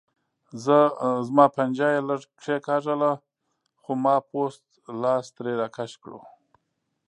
زما پنجه یې لږه کېګاږله خو ما پوست لاس ترې راکش کړو.